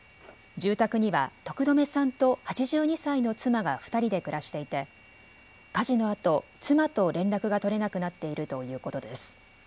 住宅には徳留さんと８２歳の妻が２人で暮らしていて、火事のあと、妻と連絡が取れなくなっているということです。